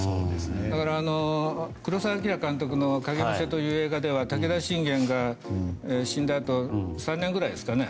だから、黒澤明監督の「影武者」という映画では武田信玄が死んだあと３年ぐらいですかね